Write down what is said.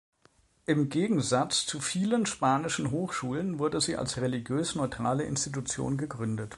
Im Gegensatz zu vielen spanischen Hochschulen wurde sie als religiös neutrale Institution gegründet.